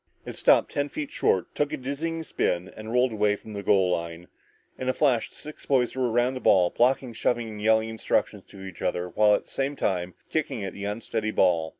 It stopped ten feet short, took a dizzying spin and rolled away from the goal line. In a flash, the six boys were around the ball, blocking, shoving, and yelling instructions to each other while at the same time kicking at the unsteady ball.